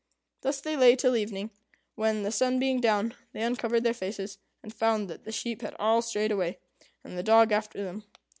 Thus they lay till evening, when, the sun being down, they uncovered their faces, and found that the sheep had all strayed away, and the dog after them.